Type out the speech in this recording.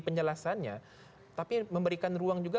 penjelasannya tapi memberikan ruang juga